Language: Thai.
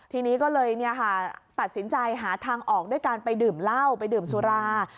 ทีนี้ก็เลยตัดสินใจหาทางออกด้วยการไปดื่มเหล้าไปดื่มสุรา